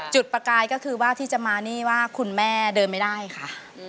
ประกายก็คือว่าที่จะมานี่ว่าคุณแม่เดินไม่ได้ค่ะ